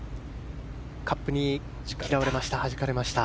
カップに嫌われました。